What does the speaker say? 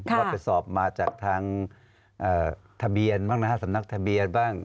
เขาไปสอบมาจากทางสำนักทะเบียนบ้าง